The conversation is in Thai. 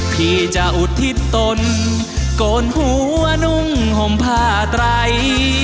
พี่จะอุทิศตนโกนหัวนุ่งห่มผ้าไตร